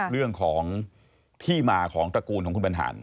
เรื่องของที่มาของตระกูลของคุณบรรหาร